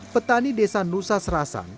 petani desa nusa serasan